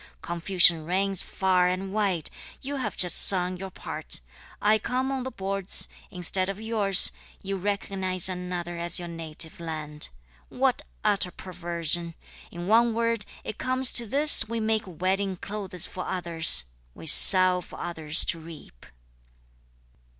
Confusion reigns far and wide! you have just sung your part, I come on the boards, Instead of yours, you recognise another as your native land; What utter perversion! In one word, it comes to this we make wedding clothes for others! (We sow for others to reap.)